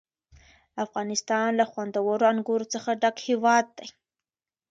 افغانستان له خوندورو انګورو څخه ډک هېواد دی.